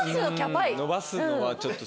伸ばすのはちょっと。